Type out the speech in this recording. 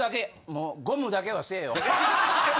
もうゴムだけはせぇよ。